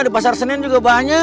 di pasar senen juga banyak